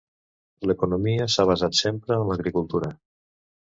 L'economia s'ha basat sempre en l'agricultura.